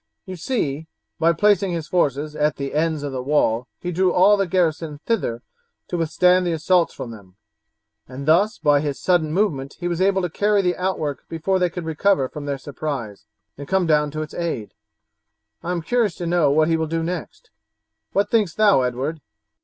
You see, by placing his forces at the ends of the wall he drew all the garrison thither to withstand the assaults from them, and thus by his sudden movement he was able to carry the outwork before they could recover from their surprise, and come down to its aid. I am curious to know what he will do next. What thinkst thou, Edward?"